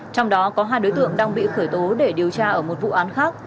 trong đó có hai đối tượng đang bị khởi tố để điều tra ở một vụ án khác